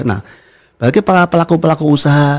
nah bagi para pelaku pelaku usaha